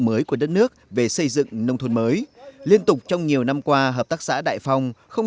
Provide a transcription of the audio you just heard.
mới của đất nước về xây dựng nông thôn mới liên tục trong nhiều năm qua hợp tác xã đại phong không